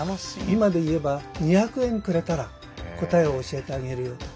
今で言えば２００円くれたら答えを教えてあげるよと。